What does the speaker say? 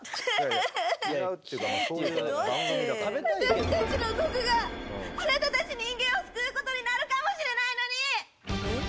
私たちの毒があなたたち人間を救うことになるかもしれないのに！